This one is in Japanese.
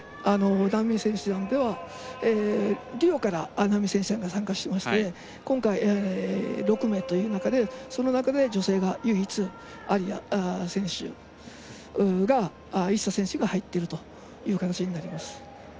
難民選手団ではリオから難民選手団が参加しまして今回、６名という中でその中で女性が唯一アリア選手が入っているという形になります。